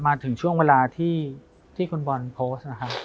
มาถึงช่วงเวลาที่คุณบอลโพสต์นะครับ